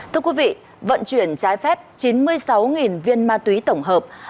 thưa quý vị vận chuyển trái phép chín mươi sáu viên mạng